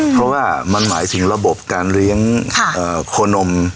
เพราะว่ามันหมายถึงระบบการเลี้ยงโคนม